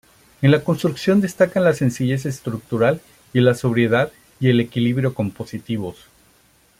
En la construcción destacan la sencillez estructural y la sobriedad y el equilibrio compositivos.